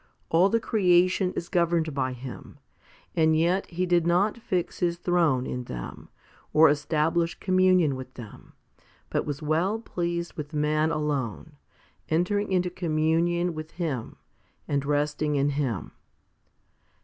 All the creation is governed by Him ; and yet He did not fix His throne in them, or establish communion with them, but was well pleased with man alone, entering into communion with him, and resting in him.